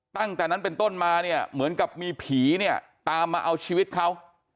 ตั้งแต่นั้นเป็นต้นมาเนี่ยเหมือนกับมีผีเนี่ยตามมาเอาชีวิตเขา